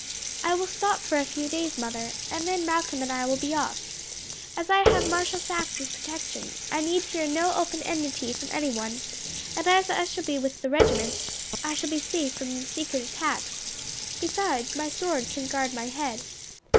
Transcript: "I will stop for a few days, mother, and then Malcolm and I will be off. As I have Marshal Saxe's protection I need fear no open enmity from anyone, and as I shall be with the regiment I shall be safe from the secret attacks; besides, my sword can guard my head."